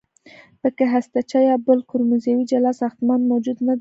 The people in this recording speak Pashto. پکې هستچه یا بل کروموزومي جلا ساختمان موجود نه دی.